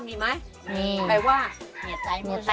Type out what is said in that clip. หนึ่งสองซ้ำยาดมนุษย์ป้า